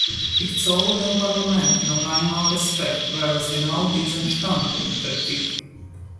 Ich zolle dem Parlament noch einmal Respekt, weil es genau diesen Standpunkt vertritt.